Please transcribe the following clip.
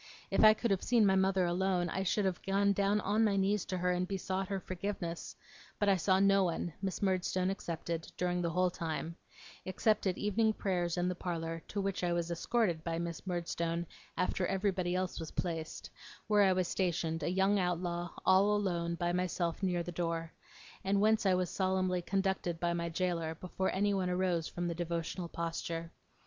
If I could have seen my mother alone, I should have gone down on my knees to her and besought her forgiveness; but I saw no one, Miss Murdstone excepted, during the whole time except at evening prayers in the parlour; to which I was escorted by Miss Murdstone after everybody else was placed; where I was stationed, a young outlaw, all alone by myself near the door; and whence I was solemnly conducted by my jailer, before any one arose from the devotional posture.